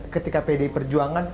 ketika pd perjuangan